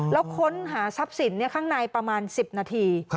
แล้วค้นหาทรัพย์สินข้างในประมาณ๑๐นาที